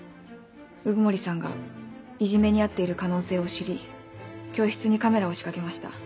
鵜久森さんがいじめに遭っている可能性を知り教室にカメラを仕掛けました。